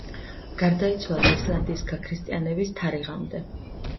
გარდაიცვალა ისლანდიის გაქრისტიანების თარიღამდე.